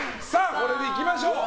これでいきましょう。